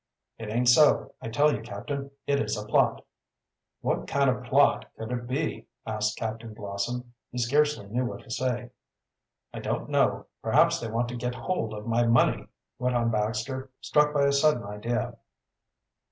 "It aint so. I tell you, captain, it is a plot." "What kind of a plot could it be?" asked Captain Blossom. He scarcely knew what to say. "I don't know. Perhaps they want to get hold of my money," went on Baxter, struck by a sudden idea.